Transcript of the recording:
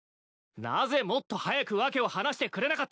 なぜもっと早く訳を話してくれなかったんだ！